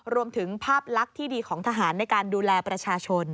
รวมถึงภาพลักษณ์ที่ดีของทหารในการดูแลประชาชน